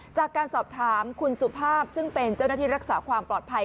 จากการสอบถามคุณสุภาพซึ่งเป็นเจ้าหน้าที่รักษาความปลอดภัย